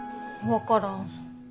分からん。